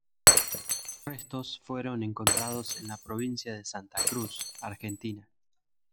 Los restos fueron encontrados en la provincia de Santa Cruz, Argentina.